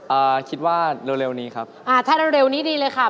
เอ่อคิดว่าเร็วนี้ครับ